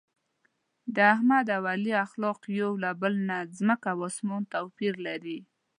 د احمد او علي اخلاق یو له بل نه ځمکه او اسمان توپیر لري.